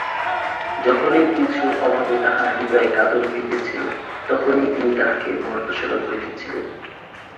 যখনই কিছুর অভাবে তাঁহার হৃদয় কাতর হইতেছিল তখনই তিনি তাহাকে ভর্ৎসনা করিতেছিলেন।